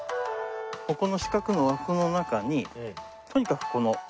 ここの四角の枠の中にとにかくこの。